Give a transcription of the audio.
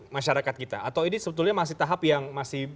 masyarakat kita atau ini sebetulnya masih tahap yang masih